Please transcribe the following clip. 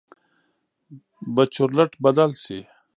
به چورلټ بدل شي.